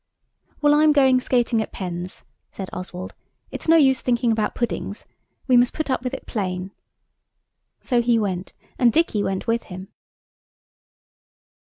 "Well, I'm going skating at Penn's," said Oswald. "It's no use thinking about puddings. We must put up with it plain." So he went, and Dicky went with him.